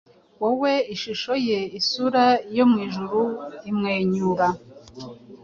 Wowe ishusho ye. Isura yo mwijuru imwenyura,